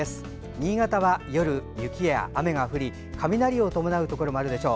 新潟は夜、雪や雨が降り雷を伴うところもあるでしょう。